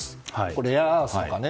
レアアースとかね。